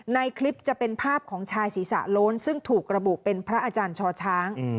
ในคลิปจะเป็นภาพของชายศีรษะโล้นซึ่งถูกระบุเป็นพระอาจารย์ชอช้าง